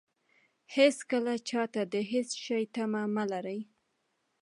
هېڅکله چاته د هېڅ شي تمه مه لرئ.